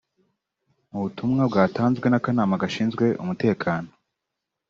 Mu butumwa bwatanzwe n’akanama gashinzwe umutekano